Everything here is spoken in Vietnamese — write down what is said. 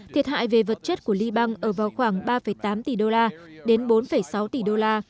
thiệt hại về vật chất của liban ở vào khoảng ba tám tỷ usd đến bốn sáu tỷ usd